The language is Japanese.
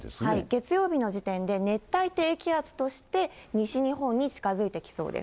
月曜日の時点で、熱帯低気圧として西日本に近づいてきそうです。